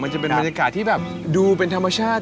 มันจะเป็นบรรยากาศที่แบบดูเป็นธรรมชาติ